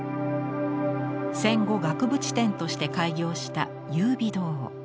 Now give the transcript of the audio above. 戦後額縁店として開業した優美堂。